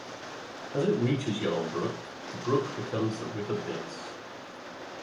As it reaches Yarnbrook the brook becomes the River Biss.